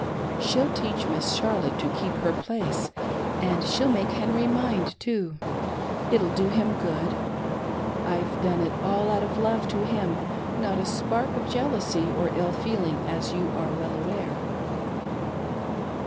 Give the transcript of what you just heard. She'll teach Miss Charlotte to keep her place, and she'll make Henry mind too. It'll do him good; —: I've done it all out of love to him, not a spark of jealousy or ill feeling, as you are well aware."